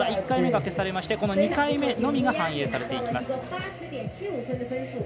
１回目が消されまして２回目のみが反映されていきます。